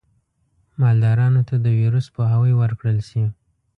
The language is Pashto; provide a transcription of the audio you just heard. مالدارانو ته د ویروس پوهاوی ورکړل شي.